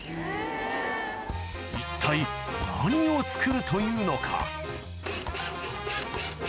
一体何を作るというのか？